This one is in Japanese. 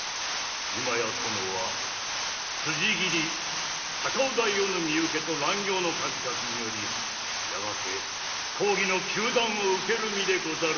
今や殿は辻斬り高尾太夫の身請けと乱業の数々によりやがて公儀の糾弾を受ける身でござる。